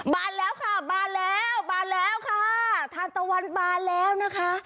มาแล้วค่ะมาแล้วมาแล้วค่ะทานตะวันมาแล้วนะคะ